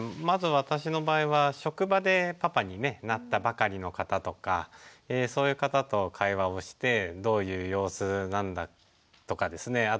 まず私の場合は職場でパパになったばかりの方とかそういう方と会話をしてどういう様子なんだとかですね